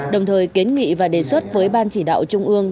đồng thời kiến nghị và đề xuất với ban chỉ đạo trung ương